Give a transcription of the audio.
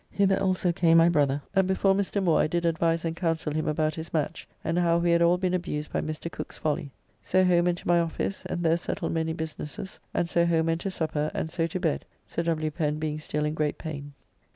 Hither also came my brother, and before Mr. Moore I did advise and counsel him about his match, and how we had all been abused by Mr. Cooke's folly. So home and to my office, and there settled many businesses, and so home and to supper, and so to bed, Sir W. Pen being still in great pain.